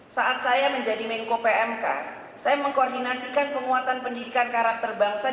saat saya menjadi menko pmk saya mengkoordinasikan penguatan pendidikan karakter bangsa